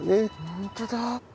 本当だ。